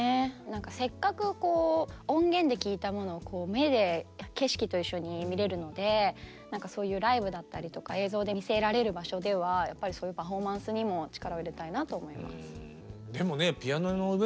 せっかく音源で聴いたものを目で景色と一緒に見れるのでそういうライブだったりとか映像で見せられる場所ではそういうパフォーマンスにも力を入れたいなと思います。